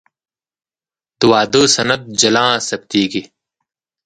د واده سند جلا ثبتېږي.